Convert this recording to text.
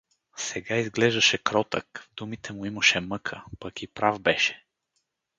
Сега изглеждаше кротък, в думите му имаше мъка, пък и прав беше.